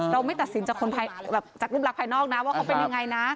เราไม่ตัดสินจากรูปลักษณ์ภายนอกนะว่าเขาเป็นอย่างไรนะ